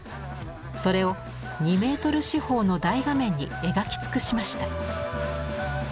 それを２メートル四方の大画面に描き尽くしました。